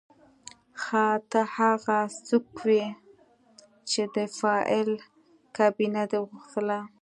ښه ته هغه څوک وې چې د فایل کابینه دې غوښتله